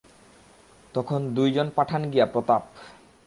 তখন দুই জন পাঠান গিয়া– প্রতাপ।